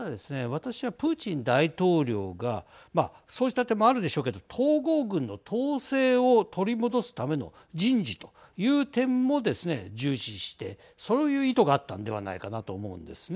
私はプーチン大統領がまあ、そうした点もあるでしょうけど統合軍の統制を取り戻すための人事という点もですね重視してそういう意図があったのではないかなと思うんですね。